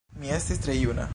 Mi estis tre juna.